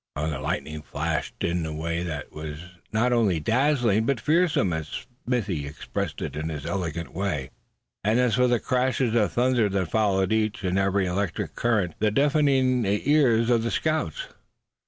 The lightning flashed in a way that was not only dazzling but "fearsome" as Smithy expressed it, in his elegant way. And as for the crashes of thunder that followed each and every electric current, they deafened the ears of the scouts.